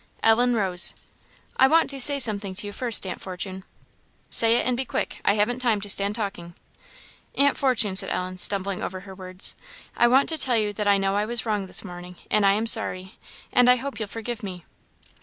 Ellen rose. "I want to say something to you first, Aunt Fortune." "Say it, and be quick; I haven't time to stand talking." "Aunt Fortune," said Ellen, stumbling over her words "I want to tell you that I know I was wrong this morning, and I am sorry, and I hope you'll forgive me."